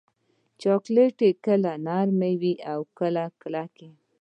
چاکلېټ کله نرم وي، کله کلک.